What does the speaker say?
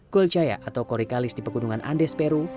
gulcaya atau coricalis di pegunungan andes peru